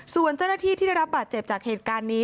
ส่วนเจ้าหน้าที่ที่ได้รับบาดเจ็บจากเหตุการณ์นี้